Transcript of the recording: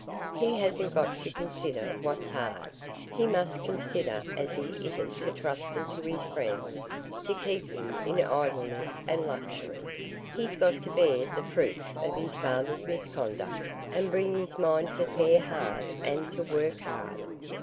He hasn't got to consider what's hard; he must consider as he isn't to trusten to his friends to keep him in idleness and luxury; he's got to bear the fruits of his father's misconduct, and bring his mind to fare hard and to work hard.